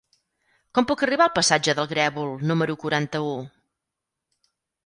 Com puc arribar al passatge del Grèvol número quaranta-u?